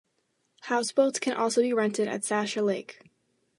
Houseboats can also be rented at Shasta Lake.